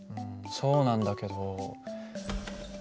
そうなんだけど。